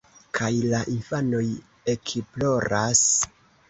Kaj la infanoj ekploras.